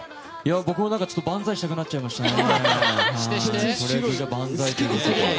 僕も万歳したくなっちゃいましたね。